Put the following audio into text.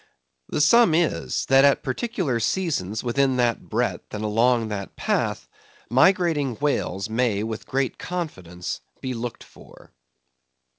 The sum is, that at particular seasons within that breadth and along that path, migrating whales may with great confidence be looked for.